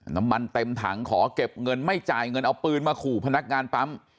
น้ำมันเต็มถังขอเก็บเงินไม่จ่ายเงินเอาปืนมาขู่พนักงานปั๊ม